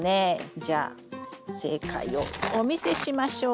じゃあ正解をお見せしましょう。